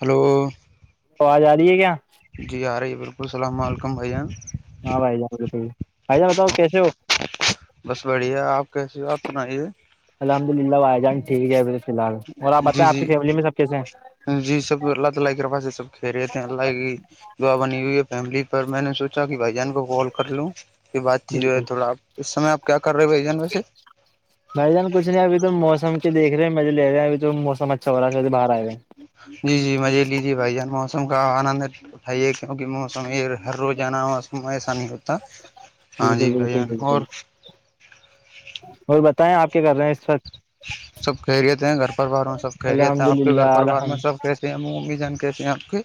hello تووج آ رہی ہے کیا جی آ رہے بالکل السلام علیکم بھیا ہاں بھائی جان بک بھائی جہ بتاؤ کیسے ہو بس بڑھیا آپ کیسی بات سنائیے الحمد للہ وھائی جان ٹھیک ہے فی الحال آپ جی بتائیں آ کی جی فیملی میں سب کیسے ہیں جی سب اللہ تعالی کی کربا سے سب کھہ رہے تھے اللہ کی دعا بنی ہوئی ہے فیملی پر میں نے سوچا کہ بھائی جان کو کال کر لوں یہ بات ت جو ہے بالکل تھوڑا آپ اس سمے آپ کیا کر رہے بھائی جان ویسے م جان کچھ نہیں اھی تو موسم کے دیک رہے ہیں م میںے لے رہے ہیں اب تو موسم اچھا رہا ہے ابھی بر آئے ہیں جی جی مزے لیجیے بھائی جان موسم کا آنند ہے اٹھائیے کیونکہ موسم ہر روز آناس ایسا نہیں ہوتا ہاں جی بالکل بھائی بالکل بالکل اور اور بتائیں آپ کیا کر رہے ہیں اس وقت سب خہریت ہیں گھر پر بار میں سب خہریت ہیں الحمد آپ کے گھر للہ پر بار میں الحمد سب کیسے ہم ممی جان کیسے ہمپ کے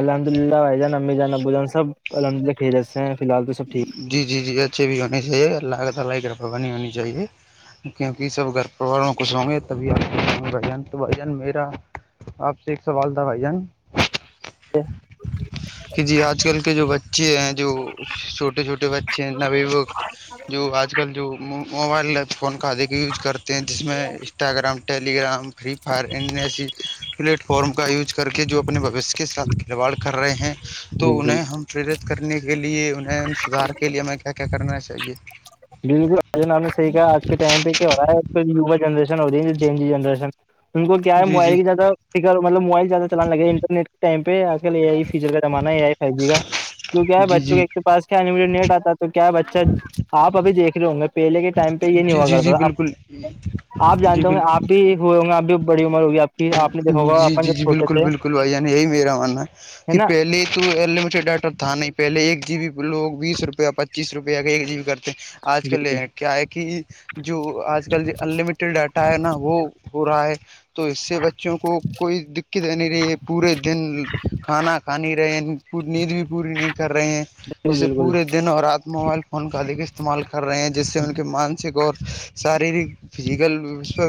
الحمد للہ بائی جان امی جان ابو جان سب الحمد للہ خریت سے ہیں فی الال تو سب ٹھیک جی جی اچھے بھی ہونے چاہیے اللہ تعالی کی ہونی چاہیے کیونکہ سب گھر پروار میں خش ہوں گے تبھی آپ بھن تو بھ جان میرا آپ سے ایک سوال تھا بھائی جان ج کہ جی آج کل کے جو بچے بچے ہیں جو چھوٹے چھوٹے بچے ہیں نبی جو آج کل جو موبائل فون کادے کا یوج کرتے ہیں جس میں Instagram Telegram Free Fire and ای س پلیٹ فارم کا یوج کر کے جو اپنے بھوشیہ کے ساتھ کھلواڑ کر رہے ہیں تو بالکل انہیں ہم پرییرت کرنے کے لیے انہیں ان سدار کے لیے ہمیں کیا کیا کرنا چاہیے جی آ ہم نے صح کہا آج کے ٹائ پہ کیا ہو رہا ہے وا جنریشن ہو رہی ہے جین جی جنریشن ان کو کیا ہے جی موبائل جی کییاد فرطلب موبائل زیادہلانے لگے انٹرنیٹ کے ٹائ پہ یہ فیچر کا زمانہ ہے یہ آئی فائیو جی کا جو کیا ہے جی بچوں کے جی ایک پاس ک آنے مجھے نیٹ آتا تو کیا بچہ آپ ابھی دیکھ رہے ہوں گے پہلے کے ٹائم پہ یہ نہیں جی ہوا جی جی کرتا تھا بالکل آپ جی جانتے ہوں گے بال آپ بھی ہوئے گ اب بھیڑی عمر ہوگیپ جی جی جی بالکل بالکل بھائی جان یہی میرا ماننا ہے کہ پہلے تو اے مجھے ڈاٹا تھا نہیں پہلے ایک جی بیی پو بیس روپیا پچیس روپیہ ایک جی بیی کرتے آج کل بالکل کیا ہے کہ جو آج کل انلمٹڈ ڈاٹا ہے نا وہ ہو رہا ہے تو اس سے بچوں کو کوئی دقت نہیں رہی ہے پورے دن کھانا کھا نہیں رہے پور نیند بھی پوری نہیں کر رہے ہیں بالکل جسے بالکل پورے دن اور رات موبائل فون کا استعمال کر رہے ہیں جس سے ان کے مانسک اور شارییرک فزیکل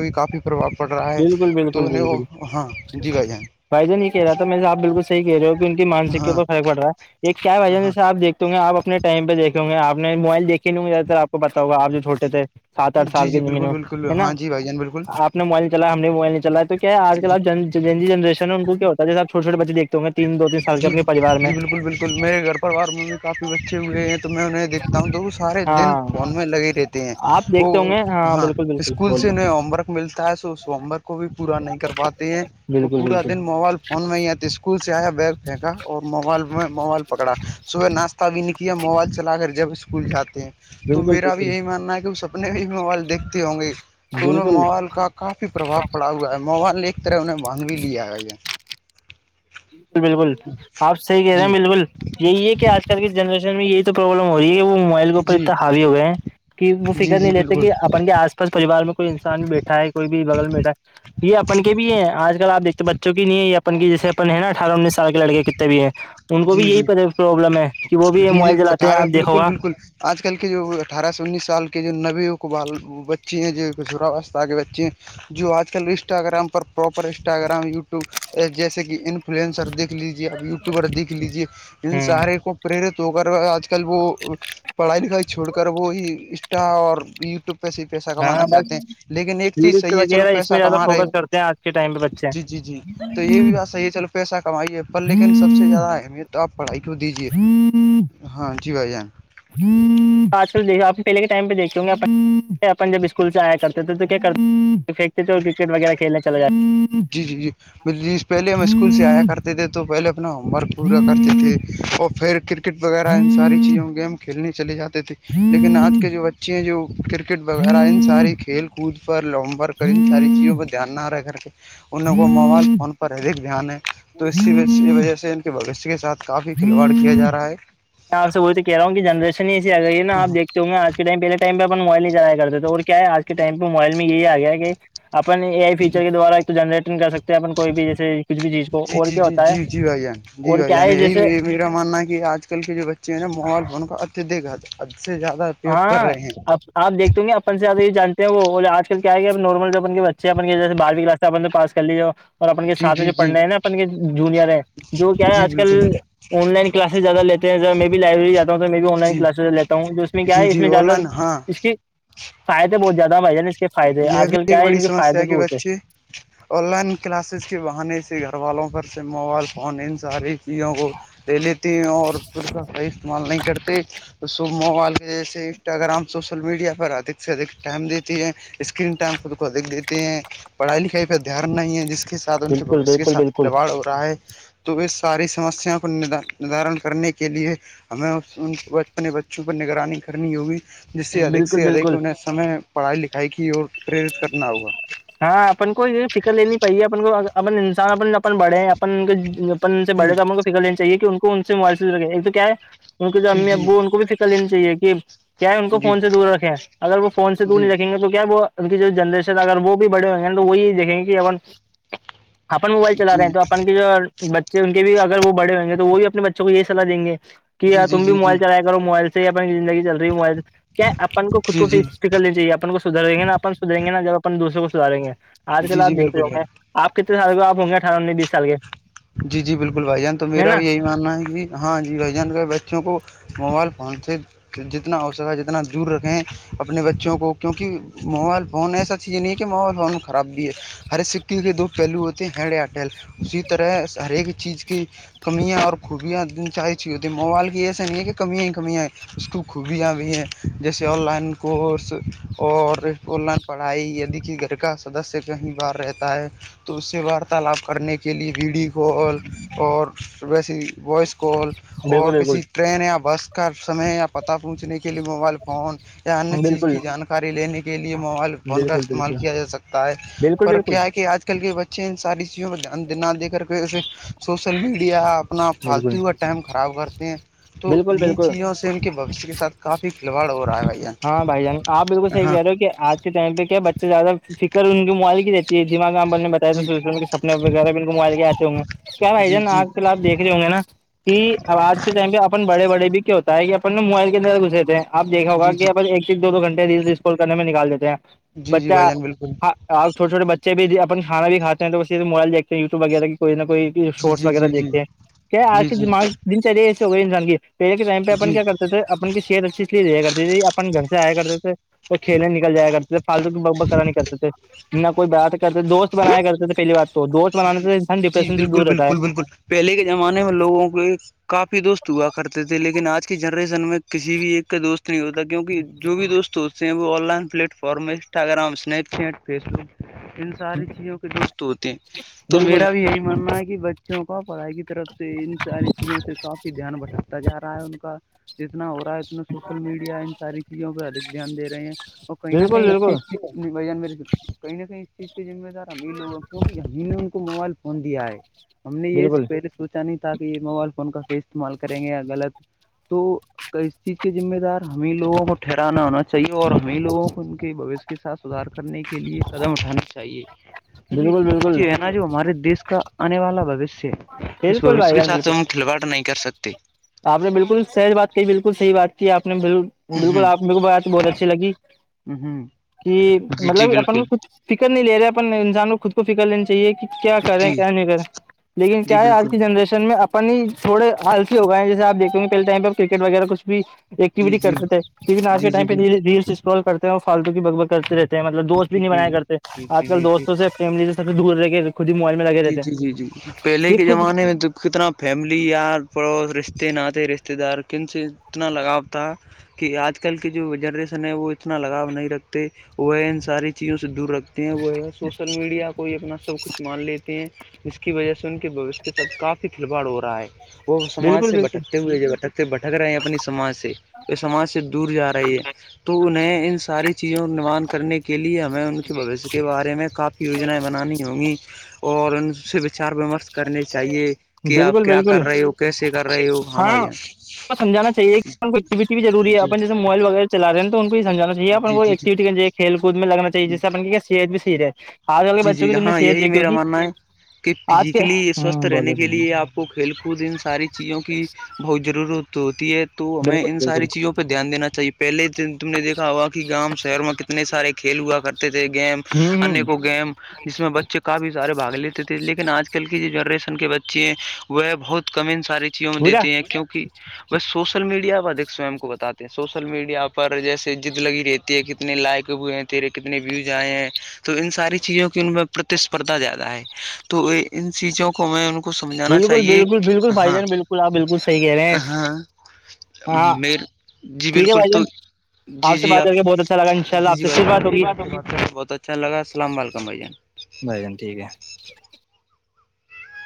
بھی کافی پربؤ پڑ رہا ہے بالکل تو بالکل انیں بالکل وہ ہاں جی بھائی جان بھائی ج نہیں کہہ رہا تھا میں سے آپ بالکل صحیح کہہ رہے ہو کہ ان کی مانسکیو ہاں پر فرق پڑ رہا ہے ایک کیا وجہ میں ہاں سے آپ دیکھ گ آپ اپنے ٹم پہ دیکھیں گ آپ نے موبائل دیکھ ک گ زیاد ت آپ کو بتاؤ گا آپ جو چھوٹے تھے سات آٹھ جی سال کے جی زمین بالکل میں بالکل ہے نا ہاں جی بھائی جان بالکل آپ موبائل چلا ہم نے موبائل چلا تو کیا آجلپ جی جنرین ہے ان کو کیا ہوتا جس آپھوٹوے بچے دھتے جی جی جی بالکل بالکل میرے گھر پرریوار میں بھی کافی بچے ہوئے ہیں تو میں انہیں دیکھتا ہوں تو وہ سارے دن ہاں فون میں لگے ہی رہتے ہیں آپ وہ دیکھتے ہوں گے ہاں بالکل بالکل اسکول سے بولیے ن امرک ملتا ہے سو اس سومبر کو بھی پورا نہیں کر پاتے ہیں وہ بالکل پورا بالکل دن موال پ فون میں یہ اسکول سے آیا بیگ پھینکا اور موبائل میں موبائل پکڑا صبح ناشہ نہیں کیا موبائل چلا کر جب اسکول جاتے ہیں تو بالکل میرا بھی بالکل یہی ماننا ہے کہ وہ سب اپنے بھی موبائلیکتے ہوں گے تو انہ میں بالکل موبائل کا کافی پرباؤ پڑا ہوا ہے موبائل ل طرح انہیں باند بھی لیا ہے بالکل بالکل آپ صحیح کہہ رہے ہیں جی بالکل یہی ہے کہ آج کل کی جنریشن میں یہی تو پروابلم ہو رہی ہے کہ وہ موبائل کے اوپر جی اتنا ہاوی ہو گئے ہیں کہ وہ جی فکر جی نہیں لیتے بالکل کہ اپن کے آس پ بس پریوار میں کوئی انسان بھی بیٹھا ہے کوئی بھی بغل میں بیٹھا ہے یہ اپن کے بھی ہے آج کل آ دیکھتے ہیں بچوں کی نہیں ہے یہ اپن کے جیسے اپن ہے نا اٹھارہ انی سو لڑکے کتنے بھی ہیں ان کو جی بھی یہی جی پرابلم ہے کہ وہ بھی جی جی موبائل چلاتے ہیں اٹھارہ آپ دیکھو بالکل گا بالکل آج کل کے جو اٹھارہ سے انیس سال کے جو نوی ا قبال بچے ہیں جو گزورا وسستہ کے بچے ہیں جو آج کل انسٹاگرام پر پراپر انسٹاگرام یوٹیوب جیسے کہ ان فلوئنسر دیکھ لیجیے اب یوٹیوبر دیکھ لیجیے ان ہوں سارے کو پرییرت ہو کر آج کل وہ پڑھائی لکھائی چھوڑ کر وہ انسٹا اور یوٹیوب پس پیسہ کمانا ہاں بس چاہتے ہیں لیکن ایک چیز ریلس صحیح ہے چلو وغیرہ اس میں پیسہ زیادہ کما رہے ہو فوکس کرتے ہیں آج کے ٹائم پہ جی جی جی تو یہ بھی بات صحیح ہے چلو پیسہ کمائیے پر لیکن سب سے زیادہ بچے اہمیت تو آپ پڑھائی کو دیجیے ہاں جی بھائی جان جی آج کل دیکھ آپ پہلے کے ٹائم پہ دیکھے ہوں گے اپ اپن جب اسکول سے آیا کرتے تھے تو کیا کرتے پھییکتے چ کرکٹ وغیرہھیلنے چلے گا جی جی جی ج پہلے ہم اسکول سے آیا کرتے تھے تو پہلے اپنا ہوم ورک پورا کرتے تھے اور پھر کرکٹ وغیرہ ان ساری چیزوں میں گیم کھیلنے چلیے جاتے تھی لیکن آج کے جو بچے بچے ہیں جو کرکٹ وغیرہ ان ساری کھیل کود پر لگ بور کر ان ساری چیزوں میں پہ دھیان نہ رہ کر کے ان لوں کو موبائل فون پر ادھک دھیان ہے تو اسی وجہ سے ان کے بھشیہ کے ساتھ کافی کھلواڑ کیا جا رہا ہے میں آپ سے بول تو کہہ رہا ہوں کہ جنریشن ایسی آ گئی ہے ن آپیکھ کی میں آج کے ائم پہلےٹائمہ اپ موبائل چلا کرتے تو اور کیا آج کے ٹائم پہ موبائل یہ آ گیا کہ اپن یہ آئی فیچر کے دوارا ایک تو جنریٹن کر سکتے ہیں اپن کوئی بھی جیسے کچھ بھی چیز کو جی اور جی کیا جی ہوتا ہے جی جی بھائی جان جی اور بھائی کیا جان ہے جیسے میرا ماننا کی آج آج کل کے جو بچے ہیں نا موبائل فون کا اتدھ گات ا سے زیادہ اپیوگ کر ہاں رہے ہیں آ دیکھتے گے اپن سےیا یہ جانتے ہیں وہ آجل کیا ہے نارمل جو اپن کے بچے اپن جیس بار کی کلاس اپن پاس کر لیجیاؤ اور اپن کے جی سھ میں جی جو جی پڑھنا ہے نا اپن کے جونئر ہیں جو کیا ہے جی آج کل بالکل آن لائن کلاسز زیادہ لیتے ہیںب میں بھی لائبری جا ہوں تو میں بھی آن لائن جی کلاسز لیتا ہوں جو میں کیا ہے جی اس جی میں آن زیادہ لائن ہاں اس کی فائدے بہت زیادہ بھائی جان اس کے فائدے یہ آج بھی کل کیا ایک ہے بڑی ان کے سمسیا فائدے ہے بھی کہ ہوتے ہیں بچے آن لائن کلاسز کے بہانے سے گھر والوں پر سے موبائل فون ان ساری چیوں کو لے لیتی ہیں اور پھر کا صحیح استعمال نہیں کرتے تو صب مو جیسے انسٹاگررام سوشل میڈیا پر ادھ سے ادک ٹائم دیتی ہے اسکرین ٹائم خود کو دیکھ دیتے ہیں پڑھائی لکھائی پہ دھیان نہیں ہے جس کے س ان کے بالکل بوشیہ کے بالکل ساتھ بالکل کھلواڑ ہو رہا ہے تو اس ساری سمسیا کود ندارن کرنے کے لیے ہمیں اپنے بچوں پر نگرانی کرنی ہوگی جس سے ادک بالکل سے بالکل ادک انہیں سمے پڑھائی لکھائی کی اور پرییرت کرنا ہوگا ہاں اپن کو یہ فکر لین پائیے اپن کو اپ انسان اپ اپن بڑھے اپن ان کے اپ ان سے جی بڑے کاموں کو فکر لین چاہے کہ ان کو ان سے مفظے ایک تو کیا ہے ان کے جو جی امی جی ابو ان کو بھی فکر لینی چاہیے کہ کیا ان کو جی فون سے دور رکھیں اگر وہ فون سے دور جی نہیں رکھیں گے تو کیا وہ ان کی جو جنریشن اگر وہ بھی بڑے ہو گے ن تو وہ یہ دیکھیں گے کہ ا اپن موبائل جی چلا رہے جی ہیں تو اپن کی جو بچے ان کے بھی اگر وہ بڑے ہوئ گ تو وہ بھی اپنے بچوں کو یہ صلاح دیں گے کہ جی جی جی تم بھی موبائل چلائے موبائل سے یا اپنی زندگی چل رہی ہو موبائل کیا اپن کو خود کو جی فکرنی چاہیے اپن کو سدھریں گے ناپ اپ سدھریں گے نا جب اپن دوسروں کو سداریں گے آج جی کل جی آپ جی دیکھ رہے بالکل ہوں یار گے آپ کتنے سال کو آپ ہوں گے اٹھہ انی بیس سال کے جی جی بالکل بھائی جان تو ہے میرا نا بھی یہی ماننا ہے کہ ہاں جی بھ جان گئے بچوں کو موبائل فون سے جتنا ہو سکا جتنا دور رکھیں اپنے بچوں کو کیونکہ موبائل فون ایسا یہ نہیں کہ ماحول فونوں خراب بھی ہے ہر سکٹی کے دو پہلو ہوتے ہیں ہیڈ ایئرٹیل اسی طرح ہر ایک چیز کی کمیاں اور خوبیاں چاہی چ ہوتی موبائل کی ایسا نہیں ہے کہ کمیاں ہی کمیاں اس کو خوبیاں بھی ہیں جیسے آن لائن کورس اور آن لائن پڑھائی دی کہ گھر کا سدسیہ کہیں باہر رہتا ہے تو اس سے وارتالاپ کرنے کے کے لیے ویڈیو کال اور ویسے وائس کال اور بالکل بالکل کسی ٹرین یا بس کا سمے یا پت پہنچنے کے لیے موبائل فون یا انیہ چیز بالکل کی جانک لینے کے لئے موبائل فون کا بالکل استعمال بالکل کیا جا سکتا ہے بالکل پر بالکل کیا ہے کہ آج کل کل کے بچے ان ساری چیزوں کو نہ دے کر کے اسے سوسل میڈیا اپنا بالکل پالتو ہوا ٹائم خراب کرتے ہیں تو بالکل انہیں بالکل چیزوں سے سے ان کے بکش کے ساتھ کافی فلوڑ ہو رہا ہے بھائی جان ہاں بھائی جان آپ بالکل صحیح ہاں کہہ رہے ہو کہ آج اس ائم پہ کیا بچہ زیادہ فکر ان موالک کی رہتی ہے دما کامنے جی بچے سپنے وغیرہ ب کو موبائل کے آتے ہوں گے تو کیا بھائی جی جان جی آ کل آپ دیکھ رہے ہو گے نا کہ اب آج کے ٹائم پہ اپن بڑے بڑے بھی کیا ہوتا ہے کہ اپن موبائل کے ذرہ گھسے تھے آپ دیکھا ہوگا جی کہ جی ا ایک سے ایک دو دو گھنٹے ریل رسکال کرنے میں نکال دیتے ہیں جی جی بھائی بچہ جان بالکل ہ آپھوے چھٹے بچے بھی اپ کانا بھی کھے ہیں تو ب یہ موبائل دیکتے ہیں وٹیوب وغیرہ کوئی نہ کوئی جی شارٹس جی وغیرہ جی دھ جی ہیں کیا آج جی کے جی دماغ دن چلے ایسے ہو گئے انسان کے پہلے کے ائم پہ اپ جی کیا کرتے اپ کی صحت اچھی اس لیے دیا کرتی ت اپن گھر سے آیا کرتے تھے وہ کھیلنے نکل جایا کرتے فالتو کی ب ب کرا نہیں کرتے تھے نہ کوئی بات کرتے تھے دوست بنایا کرتے تھے پہلی بات تو دودھ بنانے سے انسان جی ڈپریشن سے بالکل دور رہتا ہے بالکل بالکل پہلے کے زمانے میں لوگوں کے کافی دوست ہوا کرتے تھے لیکن آج کی جنریشن میں کسی بھی ایک کا دوست نہیں ہوتا کیونکہ جو بھی دوست ہوتے ہیں وہ online platform forum میں Instagram Snapchat Facebook ان ساری چیزوں کے دوست ہوتے ہیں تو بالکل میرا بھی یہی ماننا ہے کہ بچوں کا پڑھائی کی طرف سے ان ساری چیزوں سے کافی دھیان بٹھا ہوتا جا رہا ہے ان کا جتنا ہو رہا ہے اتنا سوشل میڈیا ان ساری چیزوں پہ ادک دھیان دے رہے ہیں اور کہیں نہ بالکل کہیں بالکل اس چیزن مے کہیں نہ کہیں اس چیز کے ذمہ دار ایں لوگوں کیوں ہم نے ان کو موبائل فون دیا ہے ہم نے یہ س بالکل پل سے سوچا نہیں تھا کہ یہ موبائل فون کا صح استعمال کریں گے یا غط تو ک اس چیز کے ذمے دار ہمیں لووں کو ٹھہرانا ہونا چاہیے اور ہمیں لووں کو ان کے بوش کے ساتھ سدار کرنے کے لیے قدم اٹھانا چاہیے کیونکہ بالکل بالکل ہے نا جو ہمارے دیش کا آنے والا بوشیہ ہے اس بالکل بھائی بوشیہ کے جان ساتھ بالکل ہم کھلواڑ نہیں کر سکتے آپ نے بالکل سحج بات کی بالکل صحی بات کی آپ نے بالل بالکل ہوں آپ میرے کو ب تو بہت اچھی لگی ہوں کہ جی جی مطلب اپن بالکل میں کچھ فکر نہیں لے رہے اپن انسان کو خود کو فکر لینی چاہیے کہ کیا کریں جی کیا نہیں کریں لیکن جی کیا ہے آج بالکل کی جنریشن میں اپن ہی تھوڑےال ہوگا جیس آپیکھ گ پہل ٹائم پر کرکٹ وغیرہ کھ بھی جی ایکٹیویٹی جی کرتے تھے ٹی آج کے جی جی ٹائم پہ بالکل ریل اسسٹال کرتے ہیں اور فالتو کی بگ بت کرتے رہتے مطلب دوست بھی جی نہیں جی بنایا کرتے جی آج جی کل جی جی دوستوں سے فیملی سے سب دور رہے کے خود ہی موبائل میں لگے جی رہتے ہیں جی جی جی پہلے یہ کے خود زمانے میں تو کتنا فیملی یار پڑوس رشتے نے رشتے دار کن سے اتنا لگاؤ تھا کہ آج کل کی جو جنریشن ہے وہ اتنا لگاؤ نہیں رکھتے وہ ان ساری چیزوں سے دور رکھتے ہیں وہ اگر سوسل میڈیا کوئی اپنا سب کچھ مان لیتے ہیں جس کی وجہ سے ان کے بوشیہ تک کافی کھلواڑ ہو رہا ہے وہ سماج بالکل سے بالکل بھٹکتے ہوئے جب بھٹکتے بھٹک رہے ہیں اپنی سماج سے جو سماج سے دور جا رہی ہے تو انہیں ان ساری چیزوں کو نرمان کرنے کے کے لیے ہمیں ان کے بھوشیہ کے بارے میں کافی یوجنائیں بنانی ہوں گی اور ان سے وچار ومرش کرنے چاہیے کہ آپ بالکل کیا بالکل کر رہے ہو کیسے کر رہے ہو ہمائی یہاں سمھا چاہی کہ کو ایکٹیوٹی بھیضرور ہے اپن جس مبائل وغیرہ چل رہے ہیں تو ان کو یہمجانا جی یہن جی کوئی جی ایکوٹی کھیل کو میں لگنا چاہی جیسےن کی صحت بھی صیح ہے آج کل کے جی بچے ہاں یہی میرا ماننا ہے کہ آج کے فزیکلی سوستھ ہوں رہنے بولے کے بولے لیے آپ کو کھیل کود ان ساری چیزوں کی بہت ضرورت ہوتی ہے تو تو ہمیں ان بالکل ساری بالکل چیزوں پہ دھیان دا چاہیے پہلےن تم نے د ا ہوا کہ گاں شہر میں کتنے سارے کھیل ہوا کرتے تھے گیم ہوں ان ہوں کو گیم جس میں بچے کافی سارے باگ لیتے تھے لیکن آج کل کی جنریشن کے بچے چیزیں وہ بہت کم ان ساری چیزوں میں بوجھا دیتی ہیں کیونکہ وہ سوچ ل میڈیا اپ ادک سوم کو بتے ہیں سوشل میڈیا پر جیسے جد لگی رہتی ہے کتنے لائق ہوئے ہیں تیرے کتنے ویوز آئے ہیں تو ان ساری چیزوں کی ان میں پرتیسپردھا زیادہ ہے تو ان چیزوں کو میں ان سمجھانا بالکل چاہیے بالکل بالکل کہ بھائی ہاں جان بالکل آپ بالکل صحیح کہہ رہے ہیں ہاں ہاں م جی ٹھیک ہے بالکل بھائی جان تو جی سے جی بات آپ کر کے بہت اچھا لگا ان شاء اللہ جی آپ جی سے پھر بات بھائی ہوگی بہت اچھا لگا السلام علیکم بھائی جان بھائی جن ٹھیک ہے